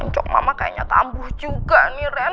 kok mama kayaknya tambuh juga nih ren